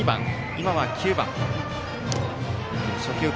今は９番。